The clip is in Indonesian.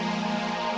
tidak tapi sekarang